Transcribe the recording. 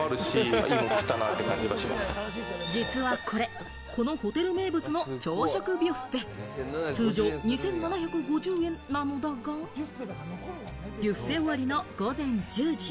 実はこれ、このホテル名物の朝食ブッフェ、通常２７５０円なのだが、ビュッフェ終わりの午前１０時。